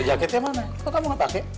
jaketnya mana kok kamu nggak pakai